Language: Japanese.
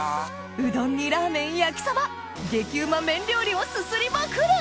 うどんにラーメン焼きそば激うま麺料理をすすりまくる！